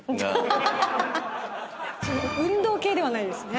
運動系ではないですね。